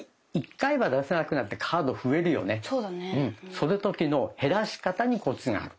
その時の減らし方にコツがある。